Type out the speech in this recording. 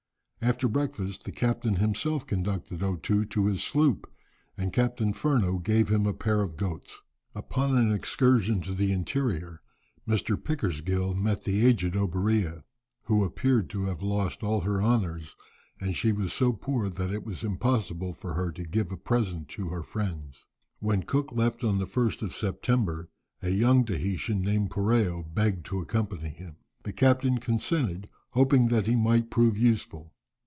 After breakfast the captain himself conducted O Too to his sloop, and Captain Furneaux gave him a pair of goats. Upon an excursion to the interior, Mr. Pickersgill met the aged Oberea, who appeared to have lost all her honours, and she was so poor that it was impossible for her to give a present to her friends. When Cook left on the 1st of September, a young Tahitian, named Poreo, begged to accompany him. The captain consented, hoping that he might prove useful.